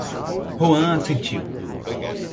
Joan assentiu.